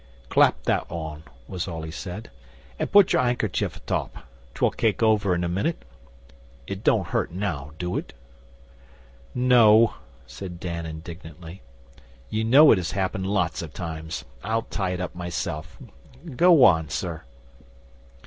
'Clap that on,' was all he said, 'and put your handkerchief atop. 'Twill cake over in a minute. It don't hurt now, do it?' 'No,' said Dan indignantly. 'You know it has happened lots of times. I'll tie it up myself. Go on, sir.